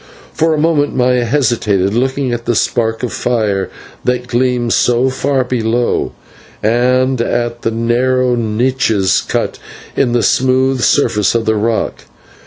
For a moment Maya hesitated, looking at the spark of fire that gleamed so far below, and at the narrow niches cut in the smooth surface of the rock.